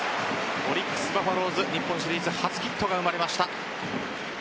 オリックス・バファローズ日本シリーズ初ヒットが生まれました。